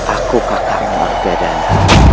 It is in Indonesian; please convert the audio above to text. aku kakak mardadana